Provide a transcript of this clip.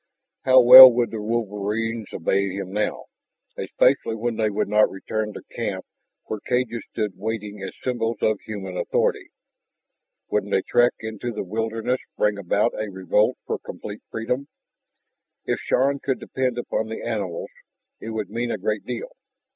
How well would the wolverines obey him now, especially when they would not return to camp where cages stood waiting as symbols of human authority? Wouldn't a trek into the wilderness bring about a revolt for complete freedom? If Shann could depend upon the animals, it would mean a great deal.